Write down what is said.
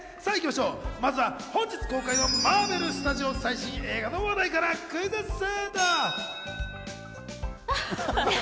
まずは本日公開のマーベル・スタジオ最新映画の話題からクイズッス！